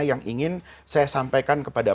yang ingin saya sampaikan kepada